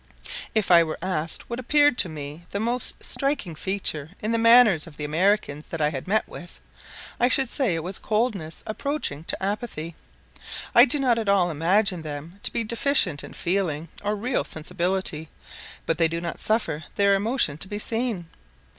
If I were asked what appeared to me the most striking feature in the manners of the Americans that I had met with, I should say it was coldness approaching to apathy. I do not at all imagine them to be deficient in feeling or real sensibility, but they do not suffer their emotion to be seen.